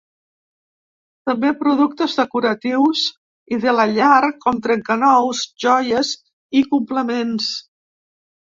També productes decoratius i de la llar com trencanous, joies i complements.